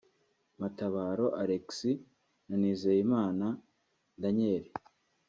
Matabaro Alexis na Nizeyimana Daniel